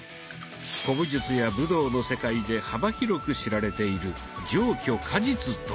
古武術や武道の世界で幅広く知られている「上虚下実」とは？